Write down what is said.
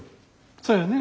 そうよね。